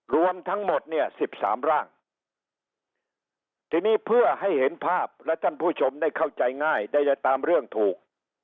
รวมทั้งหมดเนี่ย๑๓ร่างทีนี้เพื่อให้เห็นภาพและท่านผู้ชมได้เข้าใจง่ายได้จะตามเรื่องถูก